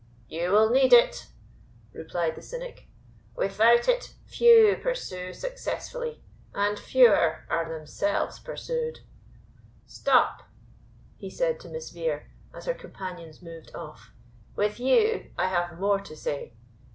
"You will need it," replied the cynic; "without it, few pursue successfully, and fewer are themselves pursued. Stop!" he said to Miss Vere, as her companions moved off, "With you I have more to say.